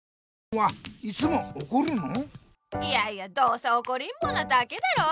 いやいやどうせおこりんぼなだけだろ。